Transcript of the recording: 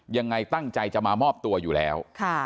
ยังไงตั้งใจจะมามอบตัวอยู่แล้ว